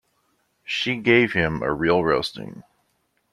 She gave him a real roasting.